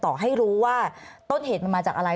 ต่อให้รู้ว่าต้นเหตุมันมาจากอะไร